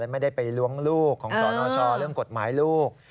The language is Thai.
ไม่ได้ไปล้วงลูกของสนชเรื่องกฎหมายลูก